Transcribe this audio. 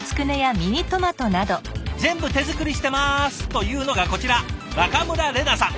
全部手作りしてますというのがこちら中村令奈さん。